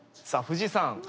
さあ藤井さん